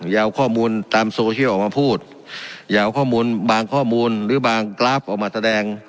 อย่าเอาข้อมูลตามโซเชียลออกมาพูดอย่าเอาข้อมูลบางข้อมูลหรือบางกราฟออกมาแสดง